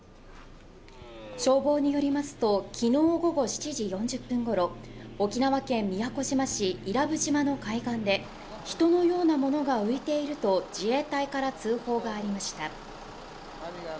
消防によりますと昨日午後７時４０分ごろ沖縄県宮古島市伊良部島の海岸で、人のようなものが浮いていると自衛隊から通報がありました。